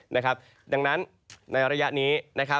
ดังนั้นในระยะนี้